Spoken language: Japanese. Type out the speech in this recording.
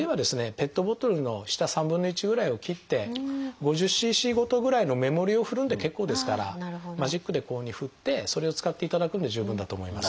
ペットボトルの下３分の１ぐらいを切って５０ｃｃごとぐらいの目盛りを振るので結構ですからマジックでこういうふうに振ってそれを使っていただくので十分だと思います。